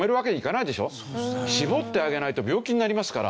搾ってあげないと病気になりますから。